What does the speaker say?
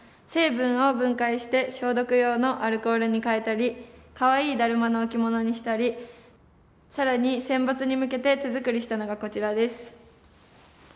成分を分解して消毒用のアルコールに変えたりかわいいだるまの置物にしたりさらにセンバツに向けて手作りしたのがこちらです。